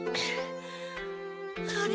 あれ？